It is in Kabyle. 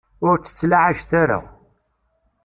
Ur tt-ttlaɛajet ara.